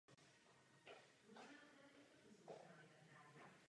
Absolvoval kurz pro důstojníky v Litoměřicích a Vojenskou akademii v Hranicích.